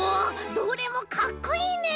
どれもかっこいいねえ！